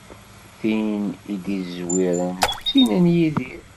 Tin i d-izewwiren d tin n Yidir.